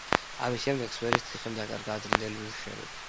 ამის შემდეგ სვერის ციხემ დაკარგა ადრინდელი მნიშვნელობა.